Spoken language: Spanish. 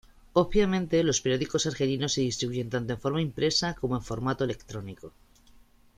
Obviamente, los periódicos argelinos se distribuyen tanto en forma impresa como en formato electrónico.